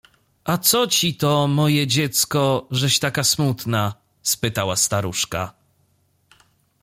— A co ci to, moje dziecko, żeś taka smutna? — spytała staruszka.